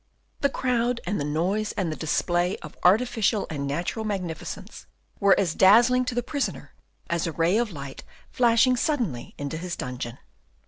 The crowd and the noise and the display of artificial and natural magnificence were as dazzling to the prisoner as a ray of light flashing suddenly into his dungeon.